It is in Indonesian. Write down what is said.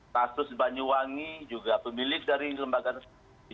kasus banyuwangi juga pemilik dari lembaga negara